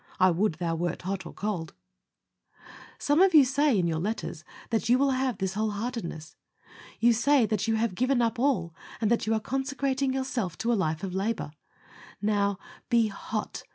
"I would thou wert cold or hot!" Some of you say, in your letters, that you will have this whole heartedness. You say that you have given up all, and that you are consecrating yourself to a life of labor. Now, be hot.